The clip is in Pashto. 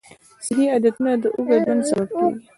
صحي عادتونه د اوږد ژوند سبب کېږي.